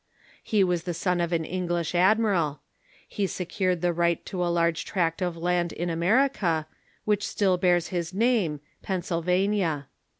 He was the son of an English admiral. He se cured the right to a large tract of land in America, which still bears his name — Pennsylvania.